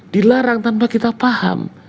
dilarang tanpa kita paham